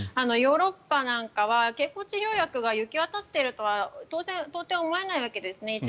ヨーロッパなんかは経口治療薬が行き渡っているとは到底思えないわけですね。